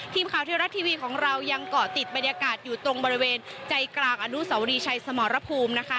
ทีมข่าวเทวรัฐทีวีของเรายังเกาะติดบรรยากาศอยู่ตรงบริเวณใจกลางอนุสวรีชัยสมรภูมินะคะ